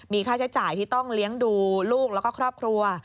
มีค่าใช้จ่ายที่ต้องเลี้ยงดูลูกแล้วก็ครอบครัว